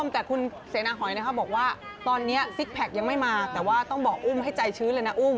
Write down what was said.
แต่ต้องบอกอุ้มให้ใจชื้นเลยนะอุ้ม